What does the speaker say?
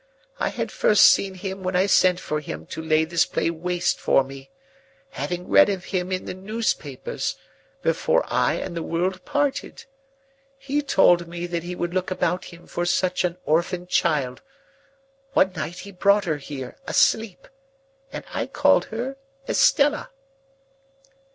I had first seen him when I sent for him to lay this place waste for me; having read of him in the newspapers, before I and the world parted. He told me that he would look about him for such an orphan child. One night he brought her here asleep, and I called her Estella."